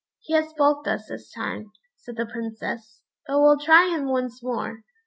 "He has baulked us this time," said the Princess, "but we'll try him once more."